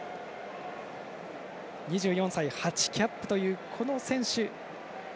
２４歳、８キャップというこの選手。